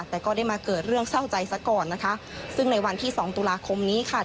แต่ก็ได้มาเกิดเรื่องเศร้าใจซะก่อนนะคะซึ่งในวันที่สองตุลาคมนี้ค่ะ